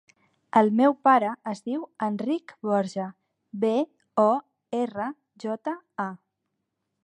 El meu pare es diu Enric Borja: be, o, erra, jota, a.